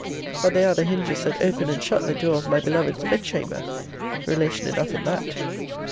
But they are the hinges that open and shut the door of my beloved's bed chamber. Relation enough in that.